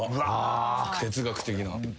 哲学的な。